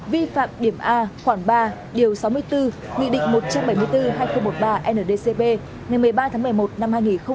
vi phạm điểm a khoảng ba điều sáu mươi bốn nghị định một trăm bảy mươi bốn hai nghìn một mươi ba ndcp ngày một mươi ba tháng một mươi một năm hai nghìn một mươi bảy